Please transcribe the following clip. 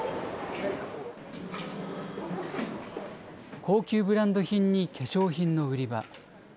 高級ブランド品に化粧品の売り場。